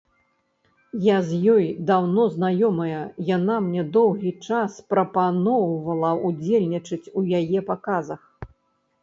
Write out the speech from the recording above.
Я з ёй даўно знаёмая, яна мне доўгі час прапаноўвала ўдзельнічаць у яе паказах.